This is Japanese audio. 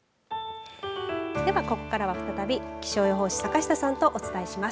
ではここからは再び気象予報士坂下さんとお伝えします。